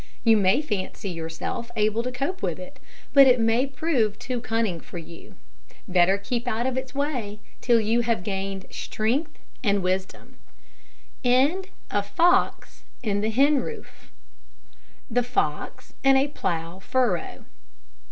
You may fancy yourself able to cope with it, but it may prove too cunning for you. Better keep out of its way, till you have gained strength and wisdom. THE FOX IN A PLOUGH FURROW.